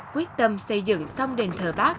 quyết tâm xây dựng song đền thờ bác